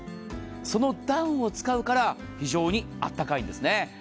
そのダウンを使うから非常にあったかいんですね。